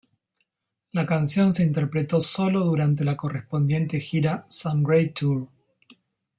La canción se interpretó sólo durante la correspondiente gira "Some Great Tour".